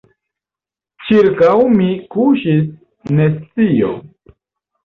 Ĉirkaŭ mi kuŝis nescio.